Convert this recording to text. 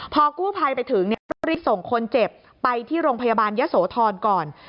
พอกู้ภัยไปถึงต้องรีบส่งคนเจ็บไปที่โรงพยาบาลยะโสธรก่อน